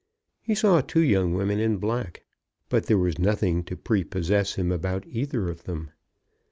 He saw two young women in black; but there was nothing to prepossess him about either of them.